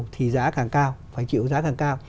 thì giá càng cao phải chịu giá càng cao